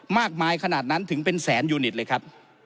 มากมายขนาดนั้นถึงเป็นแสนยูนิตเลยครับ